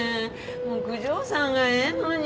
もう九条さんがええのに